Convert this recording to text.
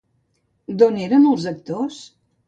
D'on eren els actors?